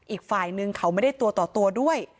อีกฝ่ายนึงเขาไม่ได้ตัวต่อตัวด้วย